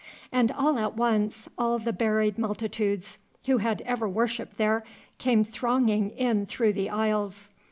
And all at once all the buried multitudes who had ever worshipped there came thronging in through the aisles.